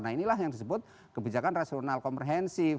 nah inilah yang disebut kebijakan rasional komprehensif